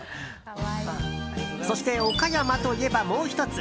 そして、岡山といえばもう１つ。